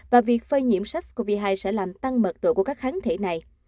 và việc phơi nhiễm sars cov hai sẽ làm tăng mật độ của các kháng thể này